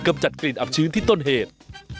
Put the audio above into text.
จัดกลิ่นอับชื้นที่ต้นเหตุ